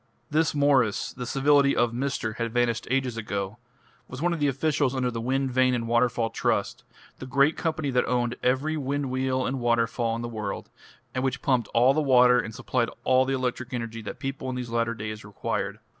This Mwres the civility of "Mr." had vanished ages ago was one of the officials under the Wind Vane and Waterfall Trust, the great company that owned every wind wheel and waterfall in the world, and which pumped all the water and supplied all the electric energy that people in these latter days required.